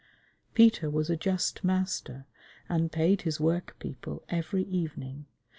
Peter was a just master, and paid his workpeople every evening.